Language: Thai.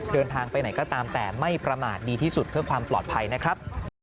เดินทางไปไหนก็ตามแต่ไม่ประมาทดีที่สุดเพื่อความปลอดภัยนะครับ